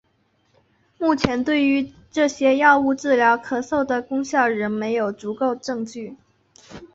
目前对于这些药物治疗咳嗽的功效仍没有足够证据。